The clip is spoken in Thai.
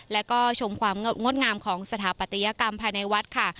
แล้วก็ชมความงดงามของสถาปัตยกรรมภายในวัดค่ะ